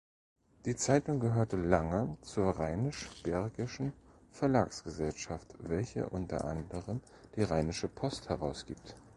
Die Zeitung gehörte lange zur Rheinisch-Bergischen Verlagsgesellschaft, welche unter anderem die Rheinische Post herausgibt.